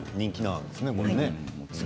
人気なんですね。